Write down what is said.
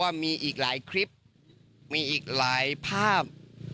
มีอีกหลายคลิปมีอีกหลายภาพ